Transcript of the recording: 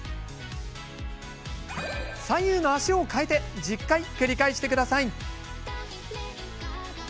左右の足を替えて１０回、繰り返してください。